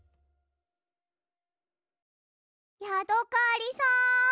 ヤドカリさん！